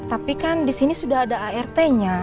tapi kan disini sudah ada art nya